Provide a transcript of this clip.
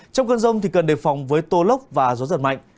trong cơn rông thì cần đề phòng với tổ lốc và gió giật mạnh